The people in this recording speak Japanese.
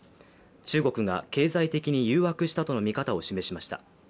中国が経済的に誘惑したとの見方を示しました。